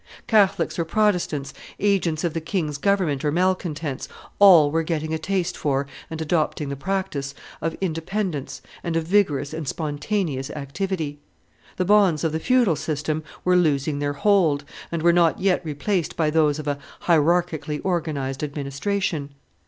Catholics or Protestants, agents of the king's government or malcontents, all were getting a taste for and adopting the practice of independence and a vigorous and spontaneous activity. The bonds of the feudal system were losing their hold, and were not yet replaced by those of a hierarchically organized administration.